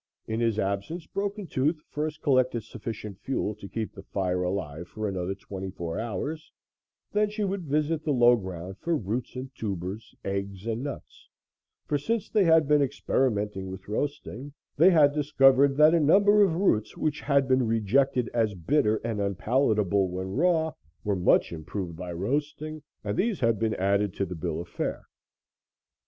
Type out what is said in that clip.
In his absence Broken Tooth first collected sufficient fuel to keep the fire alive for another twenty four hours, then she would visit the low ground for roots and tubers, eggs and nuts, for since they had been experimenting with roasting, they had discovered that a number of roots which had been rejected as bitter and unpalatable, when raw, were much improved by roasting, and these had been added to the bill of fare.